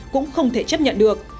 cũng không thể chấp nhận được